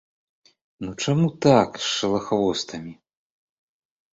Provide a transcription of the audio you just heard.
Ну, чаму так, з шалахвостамі?